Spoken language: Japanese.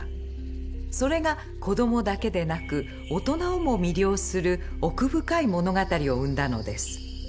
それが子どもだけでなく大人をも魅了する奥深い物語を生んだのです。